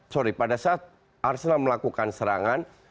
sorry pada saat arsenal melakukan serangan